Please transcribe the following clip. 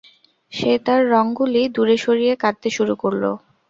সে তার রঙগুলি দূরে সরিয়ে কাঁদতে শুরু করল।